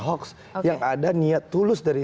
hoax yang ada niat tulus dari